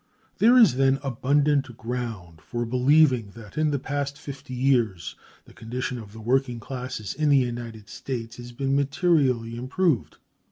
There is, then, abundant ground for believing that in the past fifty years the condition of the working classes in the United States has been materially improved.